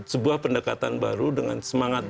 sebuah pendekatan baru dengan semangat